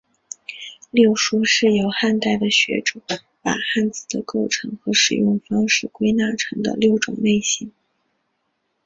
六书是由汉代的学者把汉字的构成和使用方式归纳成的六种类型。